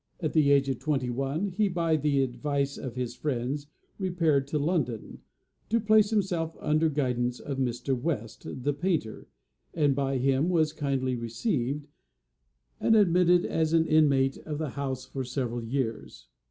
At the age of twenty one, he by the advice of his friends repaired to London, to place himself under guidance of Mr. West, the painter, and by him was kindly received, and admitted as an inmate of his house for several years.